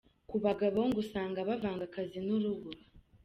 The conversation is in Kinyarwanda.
Ku bagabo: Ngo usanga bavanga akazi n’urugo.